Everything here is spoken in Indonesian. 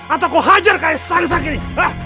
atau kuhajar kayak sang sang ini